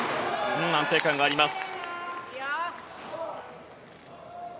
安定感があります。